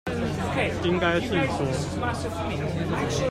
應該是說